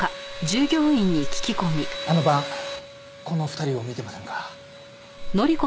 あの晩この２人を見てませんか？